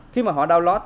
khi mà họ download